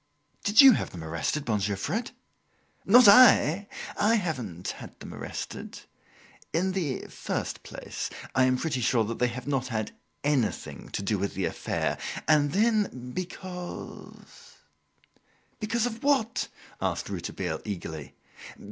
"Did you have them arrested, Monsieur Fred?" "Not I! I haven't had them arrested. In the first place, I am pretty sure that they have not had anything to do with the affair, and then because " "Because of what?" asked Rouletabille eagerly.